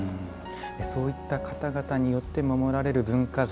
そういった方々によって守られる文化財。